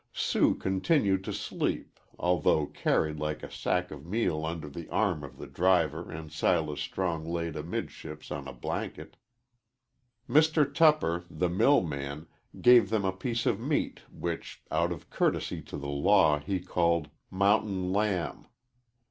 Sue continued to sleep, although carried like a sack of meal under the arm of the driver and Silas Strong laid amidships on a blanket. Mr. Tupper, the mill man, gave them a piece of meat which, out of courtesy to the law, he called "mountain lamb."